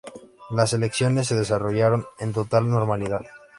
Las elecciones se desarrollaron en total normalidad.